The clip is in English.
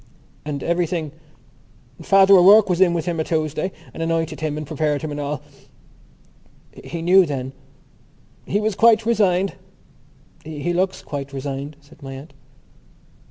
"And everything...?" "Father O'Rourke was in with him a Tuesday and anointed him and prepared him and all." "He knew then?" "He was quite resigned." "He looks quite resigned," said my aunt.